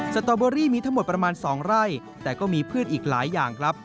สตอเบอรี่มีทั้งหมดประมาณ๒ไร่แต่ก็มีพืชอีกหลายอย่างครับ